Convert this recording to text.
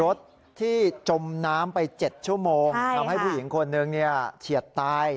รถที่จมน้ำไปเจ็ดชั่วโมงใช่ค่ะทำให้ผู้หญิงคนนึงเนี่ยเฉียดตาย